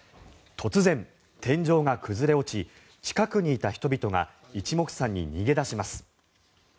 突然、天井が崩れ落ち近くにいた人々が一目散に逃げ出します。